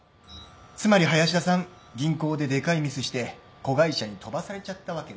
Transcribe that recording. つまり林田さん銀行ででかいミスして子会社に飛ばされちゃったわけね。